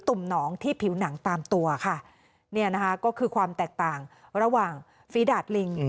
ุ่มหนองที่ผิวหนังตามตัวค่ะเนี่ยนะคะก็คือความแตกต่างระหว่างฝีดาดลิง